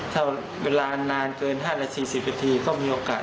ทั้งเวลานานเกิน๕นาที๔๐เดือนก็มีโอกาส